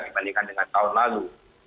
dibandingkan dengan tahun lalu